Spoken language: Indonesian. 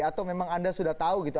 atau memang anda sudah tahu gitu